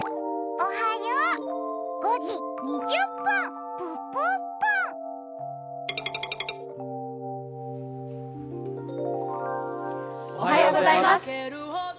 おはようございます。